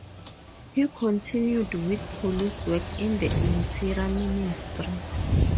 He continued with police work in the Interior Ministry.